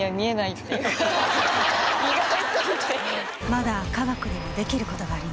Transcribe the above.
まだ科学にもできる事があります。